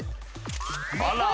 あら！